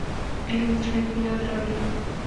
علم د زړه اطمينان راوړي.